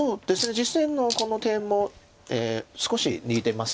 実戦のこの手も少し似てます